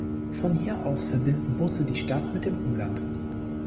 Von hier aus verbinden Busse die Stadt mit dem Umland.